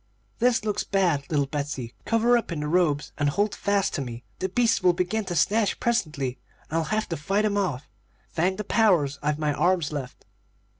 "'This looks bad, little Betsey. Cover up in the robes, and hold fast to me. The beasts will begin to snatch presently, and I'll have to fight 'em off. Thank the powers, I've my arms left.'